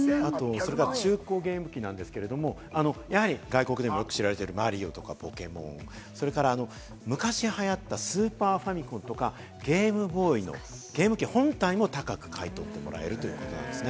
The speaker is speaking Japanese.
中古ゲーム機ですけれど、外国でも知られているマリオとかポケモン、それから昔流行ったスーパーファミコンとか、ゲームボーイのゲーム機本体も高く買い取ってもらえるということです。